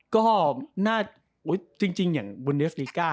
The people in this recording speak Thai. ก็จริงอย่างบุนเดสนิก้า